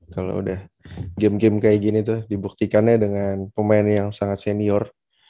kalau udah game game kayak gini tuh dibuktikannya dengan pemain yang sangat senior